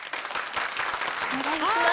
・お願いします。